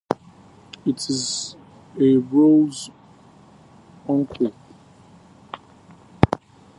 Is it a rose, uncle?